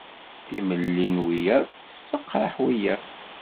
Timelli n wiyeḍ tesseqṛaḥ wiyeḍ.